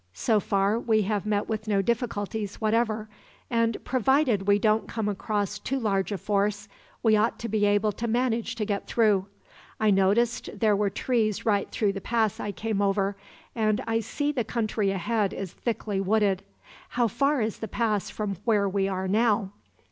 "So far we have met with no difficulties, whatever, and provided we don't come across too large a force, we ought to be able to manage to get through. I noticed there were trees right through the pass I came over; and I see the country ahead is thickly wooded. How far is the pass from where we are now?"